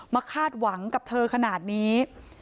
คาดหวังกับเธอขนาดนี้